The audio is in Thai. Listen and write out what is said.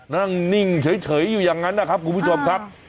นิ่งเฉยอยู่อย่างนั้นนะครับคุณผู้ชมครับ